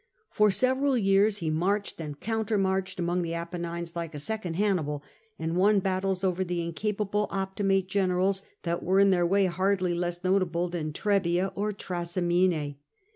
For several years he marched and countermarched among the Apennines like a second Hannibal, and won battles over the incap able Optimate generals that were in their way hardly less notable than Trebia or Trasimene.